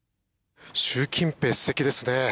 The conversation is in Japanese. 習近平主席ですね。